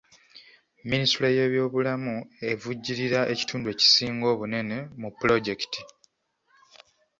Minisitule y'ebyobulamu evujjirira ekitundu ekisinga obunene mu pulojekiti.